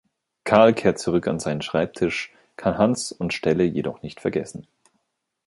Karl kehrt zurück an seinen Schreibtisch, kann Hans und Stelle jedoch nicht vergessen.